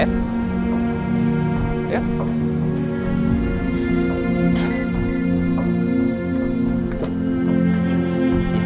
terima kasih miss